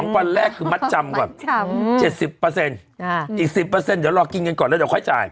วันแรกคือมัดจำก่อน๗๐อีก๑๐เดี๋ยวรอกินกันก่อนแล้วเดี๋ยวค่อยจ่าย